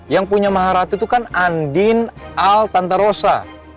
yang punya maharatu itu kan andin al tante rosa